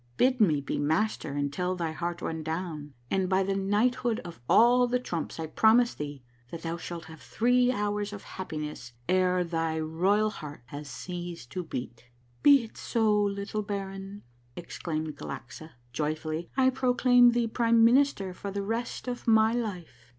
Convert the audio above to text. Bid me be master until thy heart runs down, and by the Knight hood of all the Trumps I promise thee that thou shalt have three hours of happiness ere tliy royal heart has ceased to beat !"" Be it so, little baron," exclaimed Galaxa joyfully. " I pro claim thee prime minister for the rest of my life."